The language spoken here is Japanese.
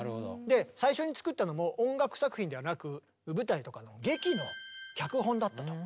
で最初に作ったのも音楽作品ではなく舞台とかの劇の脚本だったと。